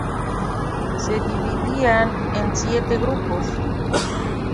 Se dividían en siete grupos.